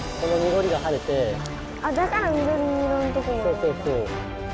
そうそうそう。